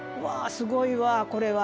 すごいわこれは。